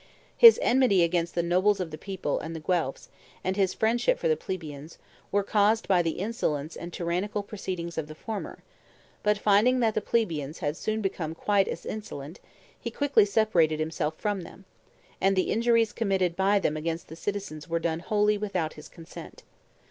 His enmity against the nobles of the people and the Guelphs, and his friendship for the plebeians, were caused by the insolence and tyrannical proceedings of the former; but finding that the plebeians had soon become quite as insolent, he quickly separated himself from them; and the injuries committed by them against the citizens were done wholly without his consent.